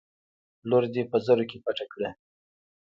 لور دې په زرو کې پټه کړه.